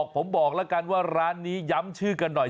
ผมบอกแล้วกันว่าร้านนี้ย้ำชื่อกันหน่อย